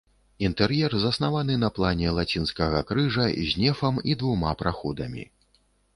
Інтэр'ер заснаваны на плане лацінскага крыжа, з нефам і двума праходамі.